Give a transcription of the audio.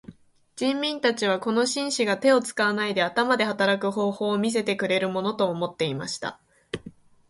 人民たちはこの紳士が手を使わないで頭で働く方法を見せてくれるものと思っていました。